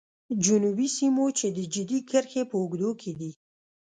جنوبي سیمو چې د جدي کرښې په اوږدو کې دي.